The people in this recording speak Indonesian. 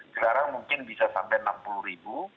sekarang mungkin bisa sampai enam puluh ribu